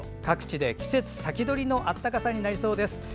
各地で、季節先取りの暖かさになりそうです。